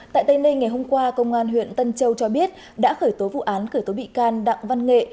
tại tây ninh ngày hôm qua công an huyện tân châu cho biết đã khởi tố vụ án khởi tố bị can đặng văn nghệ